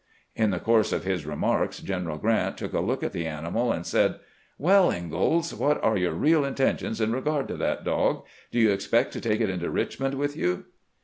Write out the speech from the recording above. " In tlie course of his remarks General Q rant took a look at the animal, and said :" Well, IngaUs, what are your real intentions in regard to that dog ? Do you expect to take it into Richmond with you?"